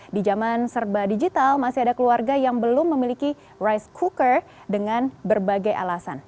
di zaman serba digital masih ada keluarga yang belum memiliki rice cooker dengan berbagai alasan